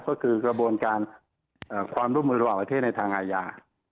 ก็คือกระบวนการความร่วมมือระหว่างประเทศในทางอาญา